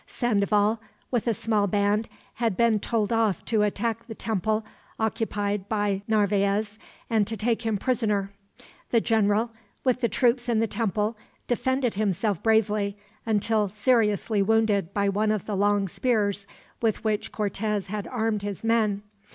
Sandoval, with a small band, had been told off to attack the temple occupied by Narvaez, and to take him prisoner. The general, with the troops in the temple, defended himself bravely, until seriously wounded by one of the long spears with which Cortez had armed his men.